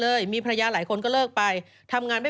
ซึ่งตอน๕โมง๔๕นะฮะทางหน่วยซิวได้มีการยุติการค้นหาที่